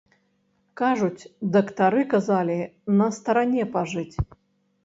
Кажуць, дактары казалі на старане пажыць.